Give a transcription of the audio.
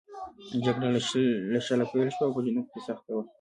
جګړه له شله پیل شوه او په جنوب کې سخته وه.